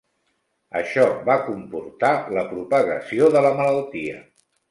Això va comportar la propagació de la malaltia.